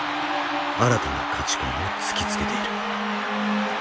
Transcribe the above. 新たな価値観を突きつけている。